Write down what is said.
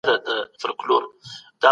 د سرچینو ضایع کېدل د دولت لپاره زیان دی.